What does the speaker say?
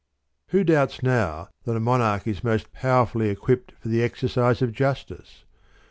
Who doubts now that a Monarch u moat powerfully equipped for the exercise of Jua tice?